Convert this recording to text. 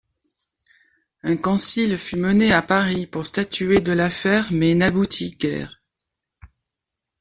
Un concile fut mené à Paris pour statuer de l’affaire, mais n’aboutit guère.